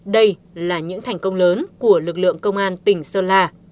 đây là những thành công lớn của lực lượng công an tỉnh hà nội